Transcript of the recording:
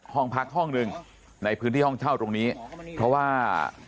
ห้องพักห้องหนึ่งในพื้นที่ห้องเช่าตรงนี้เพราะว่า